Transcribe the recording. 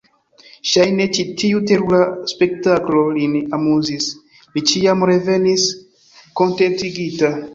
Ŝajne, ĉi tiu terura spektaklo lin amuzis: li ĉiam revenis kontentigita.